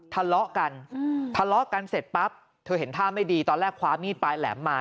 ทะเลาะกันทะเลาะกันเสร็จปั๊บเธอเห็นท่าไม่ดีตอนแรกคว้ามีดปลายแหลมมา